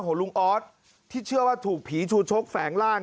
ลุงออสที่เชื่อว่าถูกผีชูชกแฝงร่าง